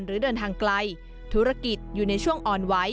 หรือเดินทางไกลธุรกิจอยู่ในช่วงอ่อนไหว